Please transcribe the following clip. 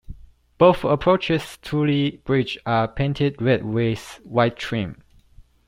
Both approaches to the bridge are painted red with white trim.